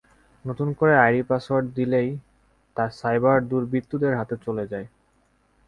নতুন করে ID password দিলেই তা সাইবার দুর্বৃত্তদের হাতে চলে যায়।